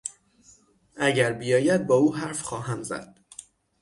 اگر بیاید با او حرف خواهم زد.